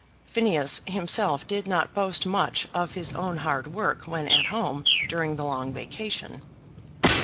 Phineas himself did not boast much of his own hard work when at home during the long vacation.